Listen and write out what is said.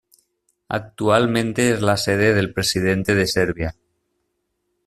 Actualmente es la sede del Presidente de Serbia.